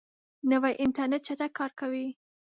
نوی انټرنیټ چټک کار کوي